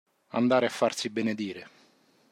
Andare a farsi benedire.